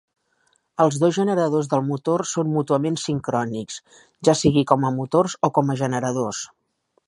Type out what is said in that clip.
Els dos generadors del motor són mútuament sincrònics, ja sigui com a motors o com a generadors.